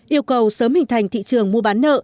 yêu cầu sớm hình thành thị trường mua bán nợ